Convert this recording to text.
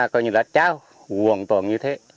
cơ nhân đã trao hoàn toàn như thế